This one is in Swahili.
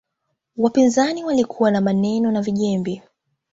wapinzani walikuwa na maneno na vijembe